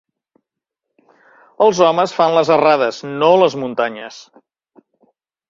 Els homes fan les errades, no les muntanyes.